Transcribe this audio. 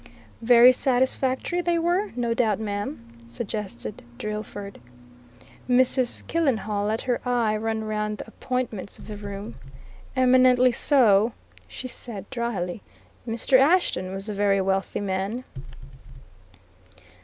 "Very satisfactory they were, no doubt, ma'am?" suggested Drillford. Mrs. Killenhall let her eye run round the appointments of the room. "Eminently so," she said dryly. "Mr. Ashton was a very wealthy man."